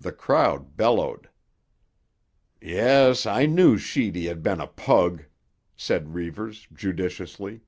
The crowd bellowed. "Yes, I knew Sheedy had been a pug," said Reivers judicially.